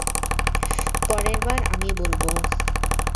পরের বার আমি বলব।